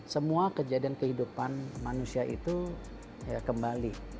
semua kejadian kehidupan manusia itu kembali